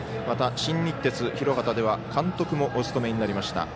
また新日鉄広畑では監督もお務めになりました